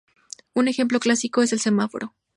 Un ejemplo clásico es el semáforo.